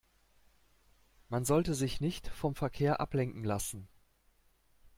Man sollte sich nicht vom Verkehr ablenken lassen.